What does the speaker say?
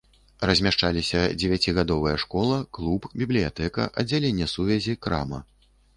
Размяшчаліся дзевяцігадовая школа, клуб, бібліятэка, аддзяленне сувязі, крама.